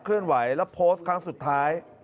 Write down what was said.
เลื่อนไหวแล้วโพสต์ครั้งสุดท้าย